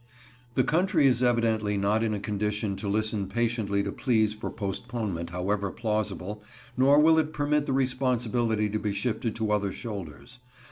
The country is evidently not in a condition to listen patiently to pleas for postponement, however plausible, nor will it permit the responsibility to be shifted to other shoulders.